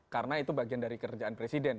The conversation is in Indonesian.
karena itu bagian dari kerjaan presiden